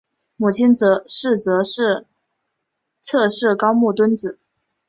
母亲是侧室高木敦子。